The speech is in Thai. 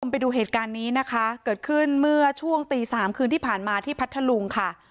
ไปดูเหตุการณ์นี้นะคะเกิดขึ้นเมื่อช่วงตีสามคืนที่ผ่านมาที่พัทธลุงค่ะ